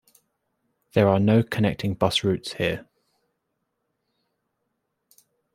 There are no connecting bus routes here.